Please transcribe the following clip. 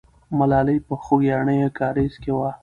ملالۍ په خوګیاڼیو کارېز کې وه.